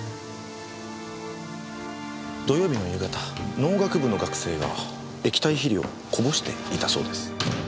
土曜日の夕方農学部の学生が液体肥料をこぼしていたそうです。